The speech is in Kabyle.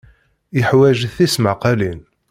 Yeḥwaj tismaqqalin.